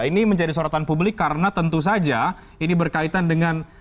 ini menjadi sorotan publik karena tentu saja ini berkaitan dengan